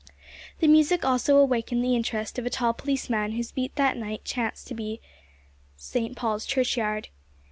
The music also awakened the interest of a tall policeman whose beat that night chanced to be St. Paul's Churchyard.